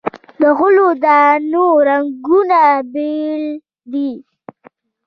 د غلو دانو رنګونه بیل دي.